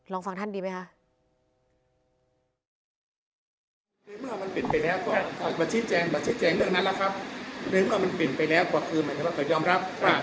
ลองฟังท่านดีไหมคะ